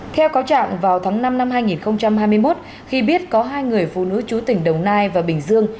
theo cáo trạng vào tháng năm năm hai nghìn hai mươi một khi biết có hai người phụ nữ chú tỉnh đồng nai và bình dương